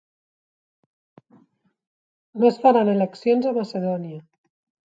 No es faran eleccions a Macedònia